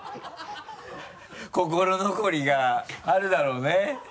心残りがあるだろうね。